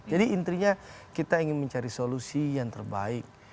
jadi intinya kita ingin mencari solusi yang terbaik